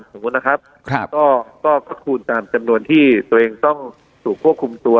สมมุตินะครับก็คูณตามจำนวนที่ตัวเองต้องถูกควบคุมตัว